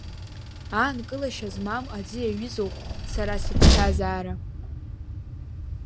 Аанкылашьа змам аӡы иаҩызоуп сара сыԥсҭазаара.